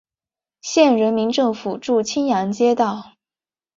县人民政府驻青阳街道。